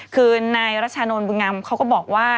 คือนายรัชนนท์บุญงามเขาก็บอกว่า